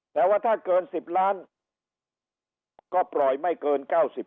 แต่ว่าถ้าเกิน๑๐ล้านก็ปล่อยไม่เกิน๙๐